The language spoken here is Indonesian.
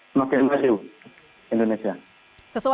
semakin maju indonesia